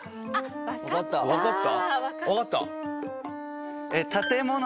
分かった！